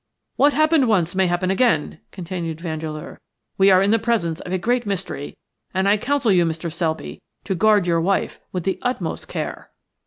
"What happened once may happen again," continued Vandeleur. "We are in the presence of a great mystery, and I counsel you, Mr. Selby, to guard your wife with the utmost care."